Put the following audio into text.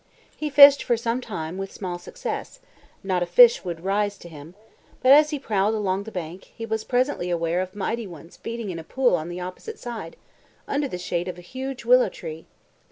He fished for some time with small success, not a fish would rise to him; but as he prowled along the bank, he was presently aware of mighty ones feeding in a pool on the opposite side, under the shade of a huge willow tree.